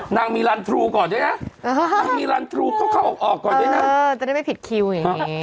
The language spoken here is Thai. นางมีลันทรูก่อนด้วยนะนางมีลันทรูเข้าออกก่อนด้วยนะจะได้ไม่ผิดคิวอย่างนี้